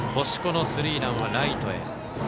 星子のスリーランはライトへ。